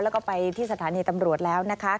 แล้วก็ไปที่สถานีตำรวจแล้วนะคะ